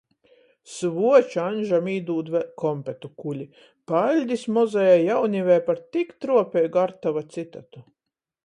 Svuoča Aņžam īdūd vēļ kompetu kuli: Paļdis mozajai jaunivei par tik truopeigu Artava citatu!